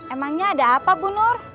emangnya ada apa bu nur